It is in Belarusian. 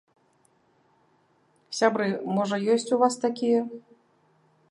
Сябры, можа ёсць у вас такія?